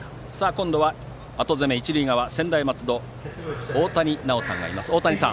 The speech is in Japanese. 今度は後攻めの一塁側専大松戸、大谷奈央さんがいます。